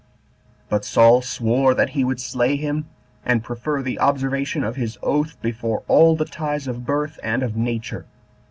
But Saul sware that he would slay him, and prefer the observation of his oath before all the ties of birth and of nature.